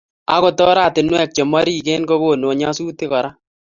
Agot oratinwek che morichen kokonu nyasutik kora